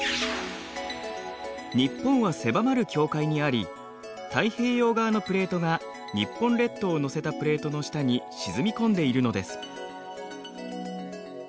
日本は狭まる境界にあり太平洋側のプレートが日本列島を載せたプレートの下に沈み込んでいるのです。